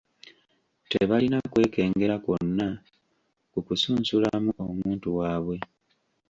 Tebalina kwekengera kwonna ku kusunsulamu omuntu waabwe.